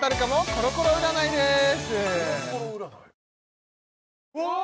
コロコロ占いです